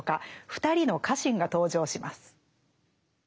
２人の家臣が登場します。